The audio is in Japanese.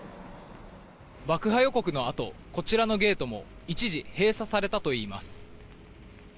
爆破予告のあとこちらのゲートも一時閉鎖されたといいます。